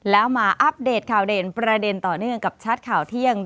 แล้วมาอัปเดตข่าวเด่นประเด็นต่อเนื่องกับชัดข่าวเที่ยง